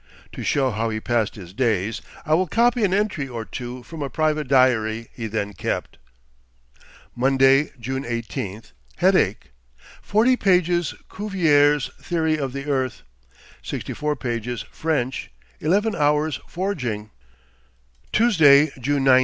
To show how he passed his days, I will copy an entry or two from a private diary he then kept: "Monday, June 18. Headache; 40 pages Cuvier's Theory of the Earth; 64 pages French; 11 hours forging. "Tuesday, June 19.